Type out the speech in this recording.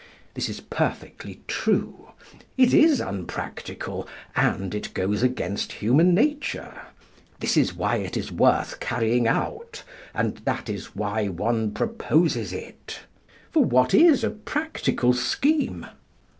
This is perfectly true. It is unpractical, and it goes against human nature. This is why it is worth carrying out, and that is why one proposes it. For what is a practical scheme?